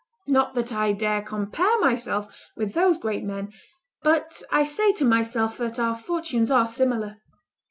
Not that I dare compare myself with those great men, but I say to myself that our fortunes are similar.